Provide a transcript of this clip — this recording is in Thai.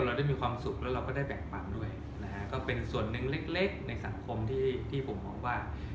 เราได้มีความสุขแล้วเราก็ได้แบ่งปันด้วยนะฮะก็เป็นส่วนหนึ่งเล็กในสังคมที่ผมมองว่า